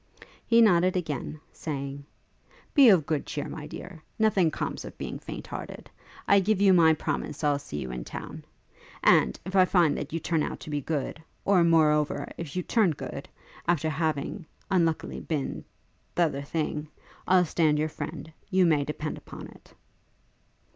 He nodded again, saying, 'Be of good cheer, my dear. Nothing comes of being faint hearted. I give you my promise I'll see you in town. And, if I find that you turn out to be good; or, moreover, if you turn good, after having unluckily been t'other thing, I'll stand your friend. You may depend upon it.'